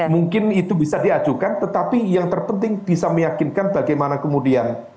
mungkin itu bisa diajukan tetapi yang terpenting bisa meyakinkan bagaimana kemudian